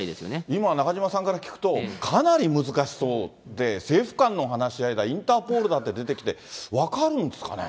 今、中島さんから聞くと、かなり難しそうで、政府間の話し合いだ、インターポールだって出てきて、分かるんですかね。